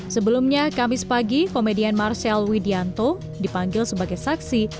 sebelumnya kamis pagi komedian marcel widianto dipanggil sebagai saksi